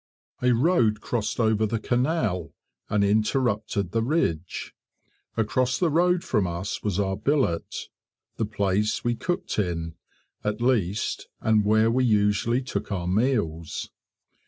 A road crossed over the canal, and interrupted the ridge; across the road from us was our billet the place we cooked in, at least, and where we usually took our meals.